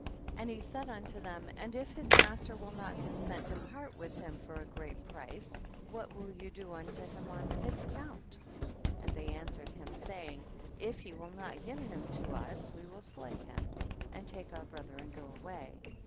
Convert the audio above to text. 31. And he said unto them, and if his master will not consent to part with him for a great price, what will you do unto him on his account ? and they answered him, saying, if he will not give him unto us we will slay him, and take our brother and go away.